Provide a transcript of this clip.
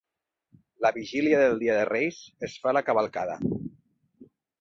La vigília del dia de Reis es fa la cavalcada.